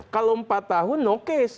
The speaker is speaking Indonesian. kalau empat tahun no case